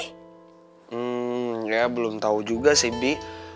hmm ya belum tahu juga sih bi